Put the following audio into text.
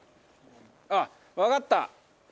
あっわかった。